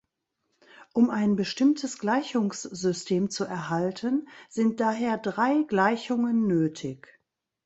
Um ein bestimmtes Gleichungssystem zu erhalten, sind daher drei Gleichungen nötig.